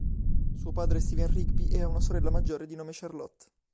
Suo padre è Steven Rigby e ha una sorella maggiore di nome Charlotte.